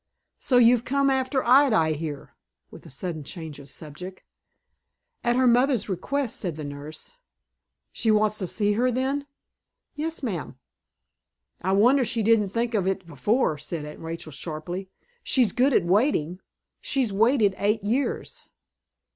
So you've come after Ida, I hear?" with a sudden change of subject. "At her mother's request," said the nurse. "She wants to see her, then?" "Yes, ma'am." "I wonder she didn't think of it before," said Aunt Rachel, sharply. "She's good at waiting. She's waited eight years."